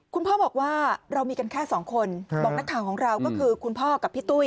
คุณพ่อบอกว่าเรามีกันแค่สองคนบอกนักข่าวของเราก็คือคุณพ่อกับพี่ตุ้ย